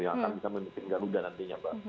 yang akan kita menutupi garuda nantinya